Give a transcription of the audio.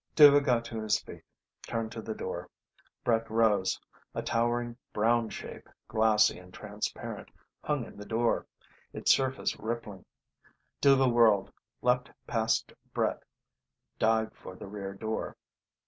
Dhuva got to his feet, turned to the door. Brett rose. A towering brown shape, glassy and transparent, hung in the door, its surface rippling. Dhuva whirled, leaped past Brett, dived for the rear door.